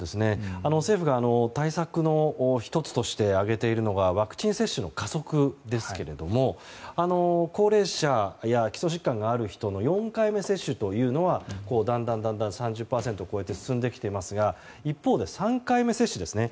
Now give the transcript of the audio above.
政府が対策の１つとして挙げているのがワクチン接種の加速ですけれども高齢者や基礎疾患がある人の４回目接種はだんだん３０％を超えて進んできていますが一方で３回目接種ですね。